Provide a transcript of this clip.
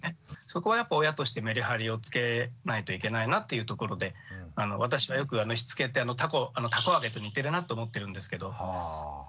そこはやっぱ親としてメリハリをつけないといけないなっていうところで私もよくしつけって「たこ揚げ」と似てるなと思ってるんですけど。